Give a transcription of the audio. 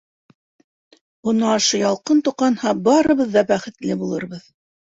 Бына ошо ялҡын тоҡанһа, барыбыҙ та бәхетле булырбыҙ.